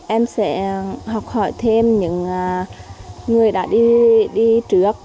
em sẽ học hỏi thêm những người đã đi trước